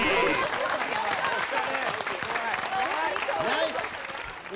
ナイス！